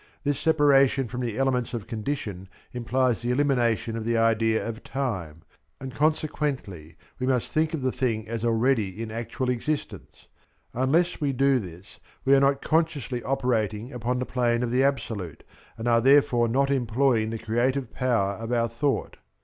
This separation from the elements of condition implies the elimination of the idea of time, and consequently we must think of the thing as already in actual existence. Unless we do this we are not consciously operating upon the plane of the absolute, and are therefore not employing the creative power of our thought.